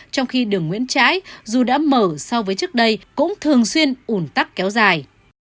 trong khi đường nguyễn trãi dù đã mở so với trước đây cũng thường xuyên ủn tắc kéo dài